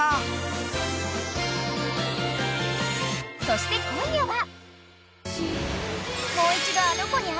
［そして今夜は］